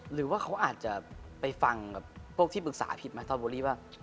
หรือว่าเขาอาจจะไปฟังกับพวกที่ปรึกษาผิดไหมตอนโบรี่ว่า